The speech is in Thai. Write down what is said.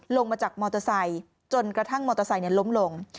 ลงมาจากมอเตอร์ไซค์จนกระทั่งมอเตอร์ไซค์ล้มลง